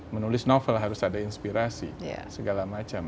menulis novel harus ada inspirasi segala macam